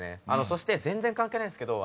そして全然関係ないんですけど。